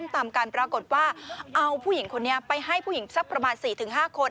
ตามกันปรากฏว่าเอาผู้หญิงคนนี้ไปให้ผู้หญิงสักประมาณ๔๕คน